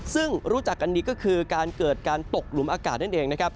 ซึ่งรู้จักกันดีก็คือการเกิดการตกหลุมอากาศนั่นเองนะครับ